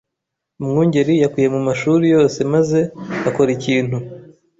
Umwungeri yakuye mu mashuri yose maze akora ikintu